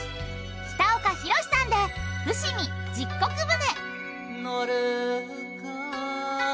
北岡ひろしさんで『伏見十石舟』。